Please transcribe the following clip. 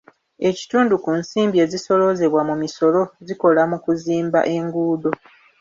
Ekitundu ku nsimbi ezisooloozebwa mu misolo zikola mu kuzimba enguudo.